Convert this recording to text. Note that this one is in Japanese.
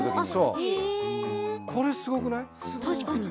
これはすごくない？